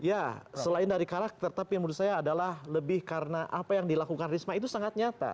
ya selain dari karakter tapi menurut saya adalah lebih karena apa yang dilakukan risma itu sangat nyata